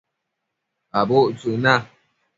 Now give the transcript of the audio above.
Abudtsëc na